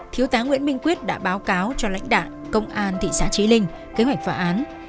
thiếu tá nguyễn minh quyết đã báo cáo cho lãnh đạo công an thị xã trí linh kế hoạch phá án